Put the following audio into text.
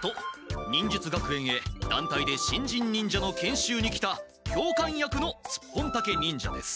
と忍術学園へだんたいで新人忍者の研修に来たきょうかん役のスッポンタケ忍者です。